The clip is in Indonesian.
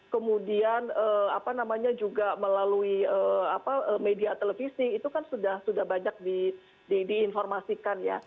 kemudian apa namanya juga melalui media televisi itu kan sudah banyak diinformasikan ya